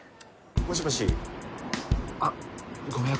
もしもしあっご迷惑